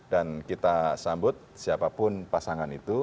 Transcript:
dan kita sambut siapapun pasangan itu